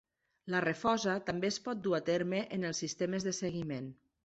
La refosa també es pot dur a terme en els sistemes de seguiment.